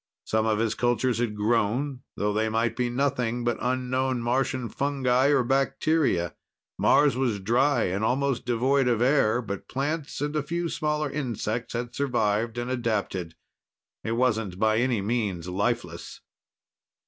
Some of his cultures had grown, though they might be nothing but unknown Martian fungi or bacteria. Mars was dry and almost devoid of air, but plants and a few smaller insects had survived and adapted. It wasn't by any means lifeless.